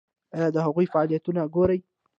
ایا د هغوی فعالیتونه ګورئ؟